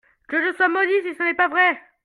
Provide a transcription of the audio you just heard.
Que je sois maudit si ce n'est pas vrai !